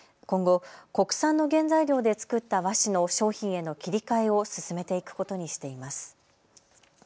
今後、国産の原材料で作った和紙の商品への切り替えを進めていくことにしています。